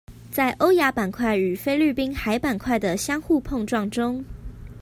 在歐亞板塊與菲律賓海板塊的相互碰撞中